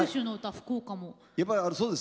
福岡も。